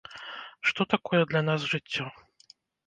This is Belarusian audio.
Што такое для нас жыццё.